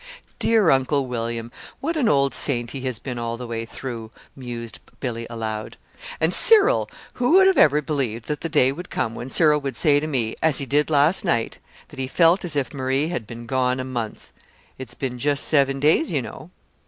"Dear Uncle William! What an old saint he has been all the way through," mused Billy aloud. "And Cyril who would ever have believed that the day would come when Cyril would say to me, as he did last night, that he felt as if Marie had been gone a month. It's been just seven days, you know."